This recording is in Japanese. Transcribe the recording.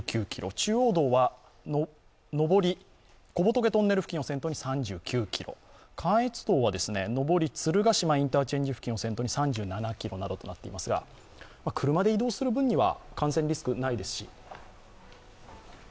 中央道は上り・小仏トンネル付近を先頭に３９ｋｍ、関越道は上り鶴ヶ島インターチェンジ付近を先頭に３７ｋｍなどとなっていますが、車で移動する分には感染リスクないですし。